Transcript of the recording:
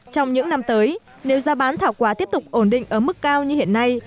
trong những năm tới nếu giá bán thảo quả tiếp tục ổn định ở mức cao như hiện nay